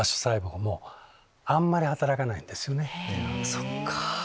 そっか。